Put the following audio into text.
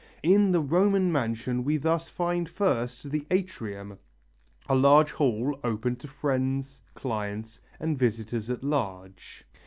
In the Roman mansion we thus find first the atrium, a large hall open to friends, clients and visitors at large.